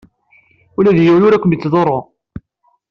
Ula d yiwen ur kem-yettḍurru.